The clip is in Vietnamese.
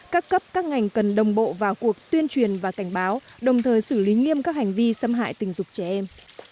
các cấp các ngành cần đồng bộ vào cuộc tuyên truyền và cảnh báo đồng thời xử lý nghiêm các hành vi xâm hại tình dục trẻ em